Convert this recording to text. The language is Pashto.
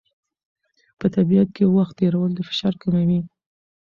په طبیعت کې وخت تېرول د فشار کموي.